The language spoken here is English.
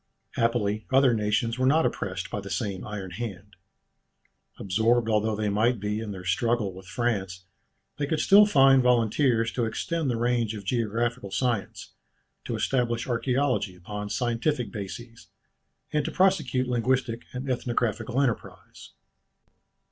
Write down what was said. Happily other nations were not oppressed by the same iron hand. Absorbed although they might be in their struggle with France, they could still find volunteers to extend the range of geographical science, to establish archæology upon scientific bases, and to prosecute linguistic and ethnographical enterprise.